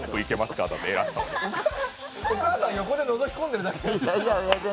お母さん横でのぞき込んでるだけじゃないですか。